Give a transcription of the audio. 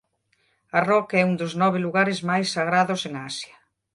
A roca é un dos nove lugares máis sagrados en Asia.